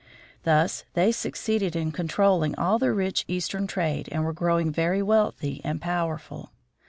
Thus they succeeded in controlling all the rich Eastern trade, and were growing very wealthy and powerful.